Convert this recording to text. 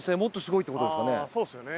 そうですよね。